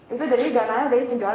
itu dari ganahnya dari penjualan